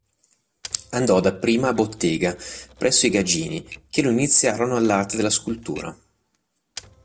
Andò dapprima a bottega presso i Gagini che lo iniziarono all'arte della scultura.